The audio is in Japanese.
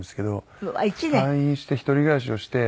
退院して一人暮らしをして。